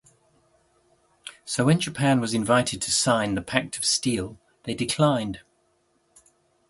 So when Japan was invited to sign the Pact of Steel, they declined.